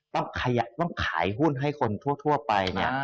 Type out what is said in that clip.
ต้องขายหุ้นให้คนทั่วไปเนี่ย